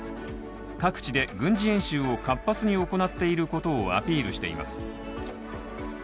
各地で軍事演習を活発に行っていることをアピールしています。